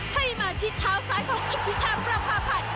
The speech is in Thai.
ให้มาที่เท้าซ้ายของอิทธิชาประพาพันธ์